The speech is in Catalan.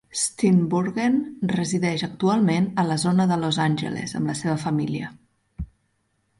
Steenburgen resideix actualment a la zona de Los Angeles amb la seva família.